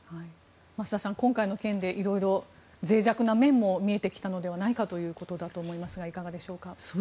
増田さん、今回の件で色々ぜい弱な面も見えてきたということじゃないかと思いますがいかがでしょうか。